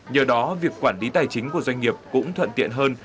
nhờ đó việc quản lý tài chính của doanh nghiệp cũng thuận tiện hơn